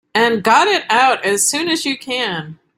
And got it out as soon as you can.